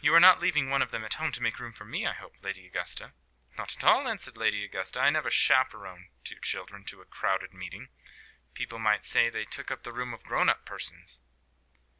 "You are not leaving one of them at home to make room for me, I hope, Lady Augusta?" "Not at all," answered Lady Augusta. "I never chaperon two children to a crowded meeting. People might say they took up the room of grown up persons."